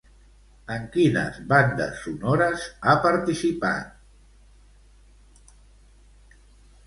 En quines bandes sonores ha participat?